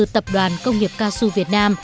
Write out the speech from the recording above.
tập đoàn công nghiệp casu việt nam